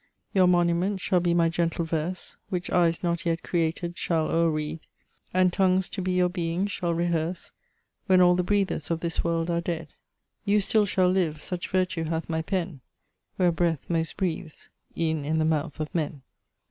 Your monument shall be my gentle verse, Which eyes not yet created shall o'er read; And tongues to be your being shall rehearse, When all the breathers of this world are dead: You still shall live, such virtue hath my pen, Where breath most breathes, e'en in the mouth of men.